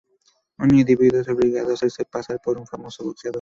Un individuo es obligado a hacerse pasar por un famoso boxeador.